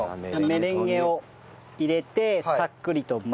メレンゲを入れてさっくりと混ぜて。